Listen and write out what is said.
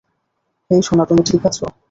হেই সোনা তুমি ঠিক আছ?